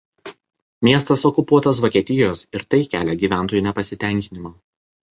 Miestas okupuotas Vokietijos ir tai kelia gyventojų nepasitenkinimą.